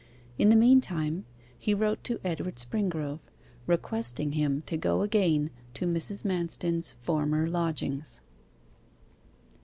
In the meantime he wrote to Edward Springrove, requesting him to go again to Mrs. Manston's former lodgings.